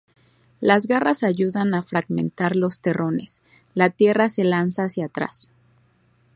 Las garras ayudan a fragmentar los terrones, la tierra se lanza hacia atrás.